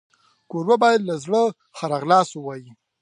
کوربه باید له زړه ښه راغلاست ووایي.